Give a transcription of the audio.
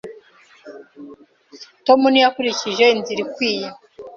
Tom ntiyakurikije inzira ikwiye.